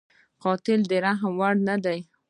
قاتل د رحم وړ نه دی